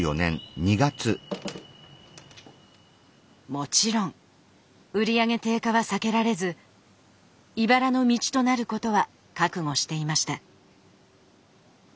もちろん売り上げ低下は避けられずいばらの道となることは覚悟していました。